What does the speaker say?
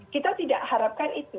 kita tidak harapkan itu